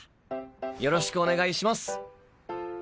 よろしくお願いします。